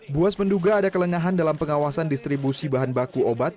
buas menduga ada kelengahan dalam pengawasan distribusi bahan baku obat